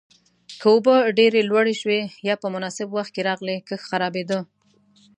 که اوبه ډېره لوړې شوې یا په نامناسب وخت کې راغلې، کښت خرابېده.